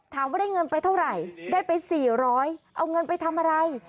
ถามว่าได้เงินไปเท่าไหร่ได้ไป๔๐๐เอาเงินไปทำอะไร